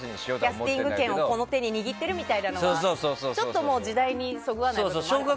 キャスティング権を手に握ってるみたいなのはちょっともう時代にそぐわないってありますよね。